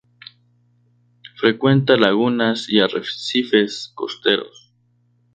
Frecuenta lagunas y arrecifes costeros.